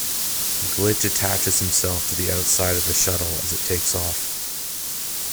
Glitch attaches himself to the outside of the shuttle as it takes off.